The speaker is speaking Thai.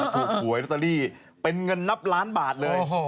ผู้หวยโรตตาลีเป็นเงินนับล้านบาทเลย